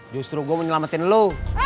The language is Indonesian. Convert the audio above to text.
justru gue mau nyelamatin lo